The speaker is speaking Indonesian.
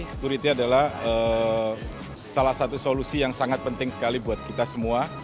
security adalah salah satu solusi yang sangat penting sekali buat kita semua